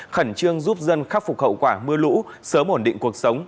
khẩn trương giúp dân khắc phục hậu quả mưa lũ sớm ổn định cuộc sống